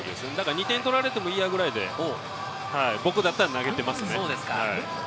２点取られてもいいやくらいで、僕だったら投げていますね。